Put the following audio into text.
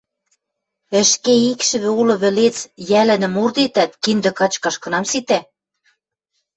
Ӹшке икшӹвӹ улы вӹлец йӓлӹнӹм урдетӓт, киндӹ качкаш кынам ситӓ!